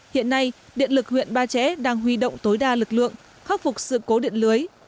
hiện nay điện lực huyện ba trẻ đang huy động tối đa lực lượng khắc phục sự cố điện lưới